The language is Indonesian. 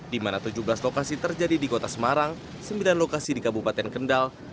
di mana tujuh belas lokasi terjadi di kota semarang sembilan lokasi di kabupaten kendal